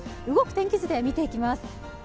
動く天気図で見ていきます。